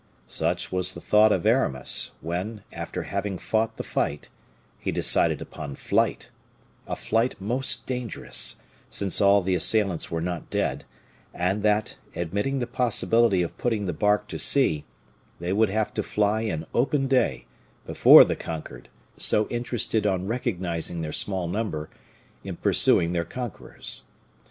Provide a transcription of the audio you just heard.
Such was the thought of Aramis, when, after having fought the fight, he decided upon flight a flight most dangerous, since all the assailants were not dead; and that, admitting the possibility of putting the bark to sea, they would have to fly in open day, before the conquered, so interested on recognizing their small number, in pursuing their conquerors.